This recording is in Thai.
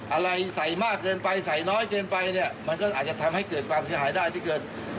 อะไรใส่มากเกินไปใส่น้อยเกินไปเนี่ยมันก็อาจจะทำให้เกิดความเสียหายได้ที่เกิด